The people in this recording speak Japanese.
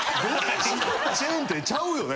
チェーン店ちゃうよね